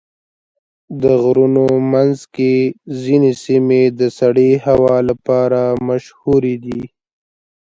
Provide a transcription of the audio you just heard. د غرونو منځ کې ځینې سیمې د سړې هوا لپاره مشهوره دي.